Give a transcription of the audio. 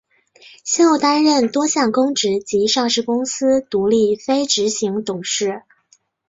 先后担任多项公职及上市公司独立非执行董事。